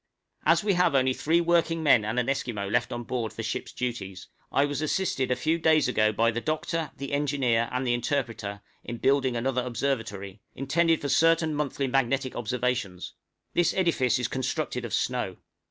As we have only three working men and an Esquimaux left on board for ship's duties, I was assisted a few days ago by the doctor, the engineer, and the interpreter, in building another observatory, intended for certain monthly magnetic observations. This edifice is constructed of snow.